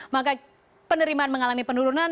maka penerimaan mengalami penurunan